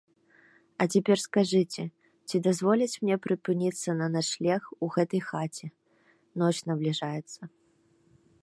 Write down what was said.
А цяпер скажыце, ці дазволяць мне прыпыніцца на начлег у гэтай хаце, ноч набліжаецца.